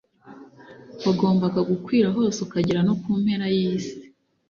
wagombaga gukwira hose, ukagera no ku mpera y'isi.